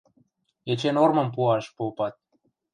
Эче нормым пуаш попат...